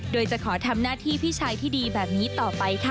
โดยจะขอทำหน้าที่พี่ชายที่ดีแบบนี้ต่อไปค่ะ